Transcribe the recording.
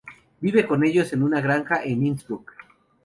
Vive con ellos en una granja en Innsbruck.